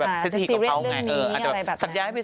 ไม่ต้องมีเคียกกับกุลตูปปัง